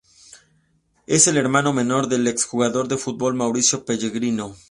Es el hermano menor del ex jugador de fútbol Mauricio Pellegrino.